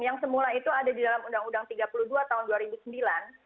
yang semula itu ada di dalam undang undang tiga puluh dua tahun dua ribu sembilan